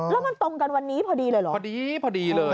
แล้วมันตรงกันวันนี้พอดีเลยเหรอพอดีพอดีเลย